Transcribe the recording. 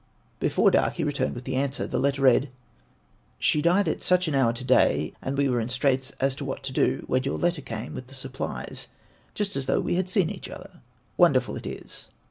Before dark he returned with the answer. The letter read: "She died at such an hour to day and we were in straits as to what to do, when your letter came with the supplies, just as though we had seen each other. Wonderful it is!"